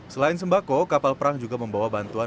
selain sembako kapal perang juga membawa bantuan